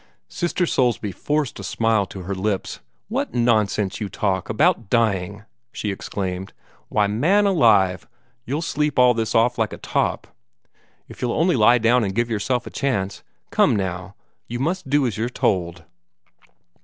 Sister Soulsby forced a smile to her lips. "What nonsense you talk about dying!" she exclaimed. "Why, man alive, you'll sleep this all off like a top, if you'll only lie down and give yourself a chance. Come, now, you must do as you're told."